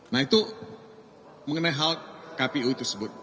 nah itu mengenai hal kpu tersebut